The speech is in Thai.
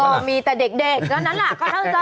ก็มีแต่เด็กแล้วนั้นล่ะ